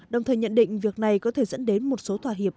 đồng thời nhận định việc này có thể dẫn đến một số thỏa hiệp